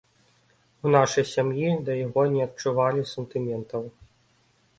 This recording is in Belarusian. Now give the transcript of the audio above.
У нашай сям'і да яго не адчувалі сантыментаў.